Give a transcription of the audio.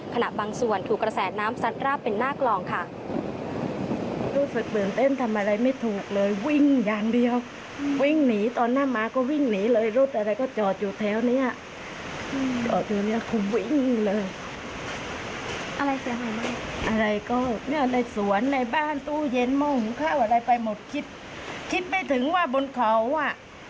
บางส่วนถูกกระแสน้ำซัดราบเป็นหน้ากลองค่ะ